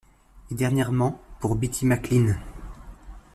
Et dernièrement pour Bitty McLean.